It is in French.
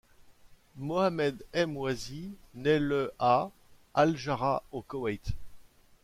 Mohammed Emwazi naît le à Al Jahra au Koweït.